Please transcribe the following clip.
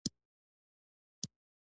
د نغلو بند د کابل سیند باندې دی